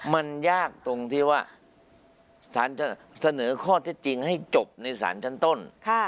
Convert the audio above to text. มันยากตรงที่ว่าสารจะเสนอข้อเท็จจริงให้จบในศาลชั้นต้น